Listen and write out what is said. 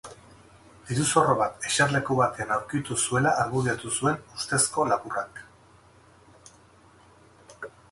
Diru-zorro bat eserleku batean aurkitu zuela argudiatu zuen ustezko lapurrak.